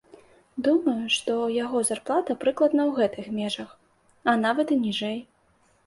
Думаю, што яго зарплата прыкладна ў гэтых межах, а нават і ніжэй.